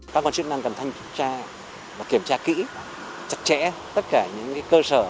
các quan chức đang cần tham gia và kiểm tra kỹ chặt chẽ tất cả những cơ sở